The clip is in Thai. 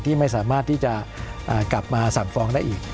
ไม่สามารถที่จะกลับมาสั่งฟ้องได้อีก